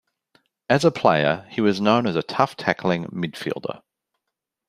As a player, he was known as a tough-tackling midfielder.